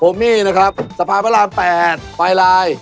ผมมีนะครับสภาพราบ๘ไฟลาย